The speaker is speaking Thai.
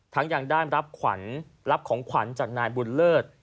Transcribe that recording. ยังได้รับขวัญรับของขวัญจากนายบุญเลิศ